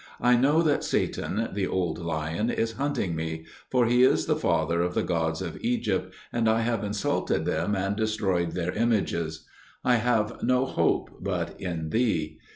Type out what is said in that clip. I know that Satan, the Old Lion, is hunting me; for he is the father of the gods of Egypt, and I have insulted them and destroyed their images. I have no hope but in Thee.